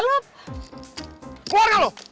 keluar gak lo